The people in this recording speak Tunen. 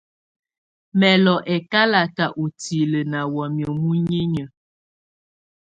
Mɛ̀ lɔ̀ ɛkalatɛ ùtilǝ̀ nà wamɛ̀ muninyǝ́.